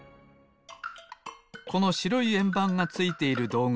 このしろいえんばんがついているどうぐ